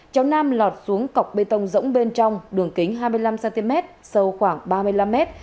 cháu nam lọt xuống cọc bê tông rỗng bên trong đường kính hai mươi năm cm sâu khoảng ba mươi năm m